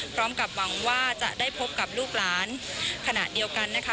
พร้อมกับหวังว่าจะได้พบกับลูกหลานขณะเดียวกันนะคะ